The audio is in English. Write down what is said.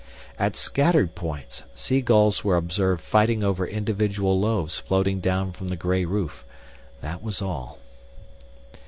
At scattered points, seagulls were observed fighting over individual loaves floating down from the gray roof that was all.